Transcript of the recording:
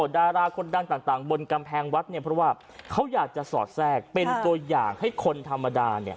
ดาราคนดังต่างบนกำแพงวัดเนี่ยเพราะว่าเขาอยากจะสอดแทรกเป็นตัวอย่างให้คนธรรมดาเนี่ย